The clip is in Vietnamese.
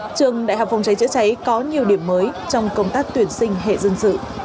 trường đại học phòng cháy chữa cháy có nhiều điểm mới trong công tác tuyển sinh hệ dân sự